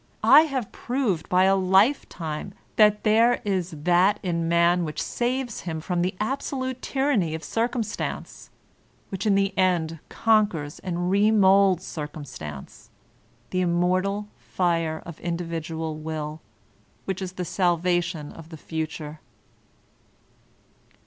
I have proved by a lifetime that there is that in man which saves him from the absolute tyranny of Circumstance, which in the end conquers and remoulds Circumstance. — ^the immortal fire of Individual Will, which is the salva tion of the Future.